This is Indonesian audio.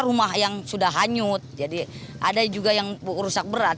rumah yang sudah hanyut jadi ada juga yang rusak berat